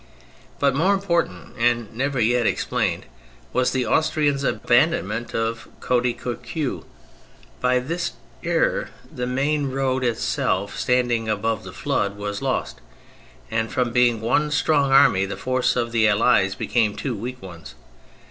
But more important — and never yet explained — was the Aus trians' abandonment of Coudequerque. By this error, the main road itself, standing above the flood, was lost, and from being one strong army the force of the Allies became two weak ones.